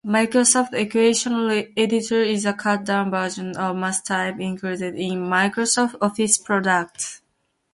Microsoft Equation Editor is a cut-down version of MathType included in Microsoft Office products.